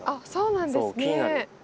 そうなんですね。